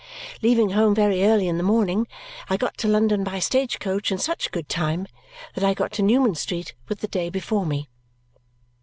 Leaving home very early in the morning, I got to London by stage coach in such good time that I got to Newman Street with the day before me.